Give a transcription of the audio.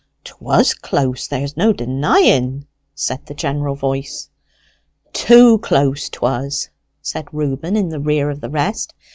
"'Twas close, there's no denying," said the general voice. "Too close, 'twas," said Reuben, in the rear of the rest.